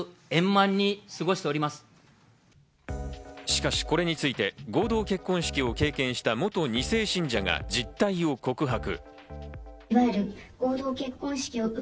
しかし、これについて合同結婚式を経験した元２世信者が実態を告白。